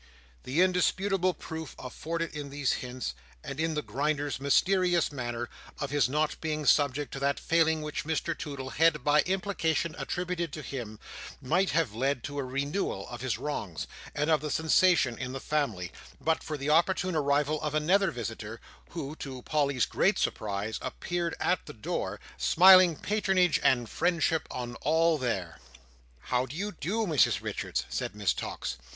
The indisputable proof afforded in these hints, and in the Grinder's mysterious manner, of his not being subject to that failing which Mr Toodle had, by implication, attributed to him, might have led to a renewal of his wrongs, and of the sensation in the family, but for the opportune arrival of another visitor, who, to Polly's great surprise, appeared at the door, smiling patronage and friendship on all there. "How do you do, Mrs Richards?" said Miss Tox.